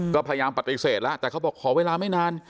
ก็พยายามปฏิเสธแล้วแต่เขาบอกขอเวลาไม่นาน